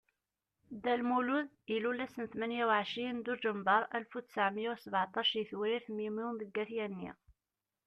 Dda Lmulud ilul ass tmenya u ɛecrin Duǧember Alef u ttɛemya u sbaɛṭac di Tewrirt Mimun deg At Yanni.